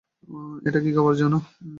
এটা কী কাপড় জানো?